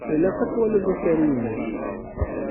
Ilaq ad twaliḍ asaru-ines.